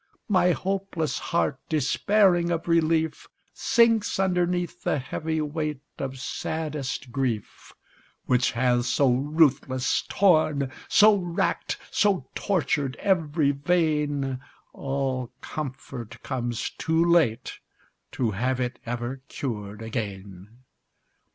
My hopeless heart, despairing of relief, Sinks underneath the heavy weight of saddest grief; Which hath so ruthless torn, so racked, so tortured every vein, All comfort comes too late to have it ever cured again.